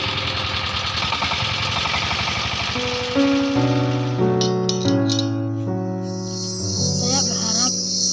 saya berharap semoga ada orang yang baik yang memimpin apa yang saya alami